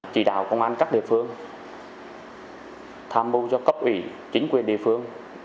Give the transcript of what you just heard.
chỉ đạo công an các địa phương tham mưu cho cấp ủy chính quyền địa phương